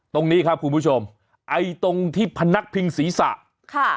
ตรงนี้ครับคุณผู้ชมไอ้ตรงที่พนักพิงศีรษะค่ะ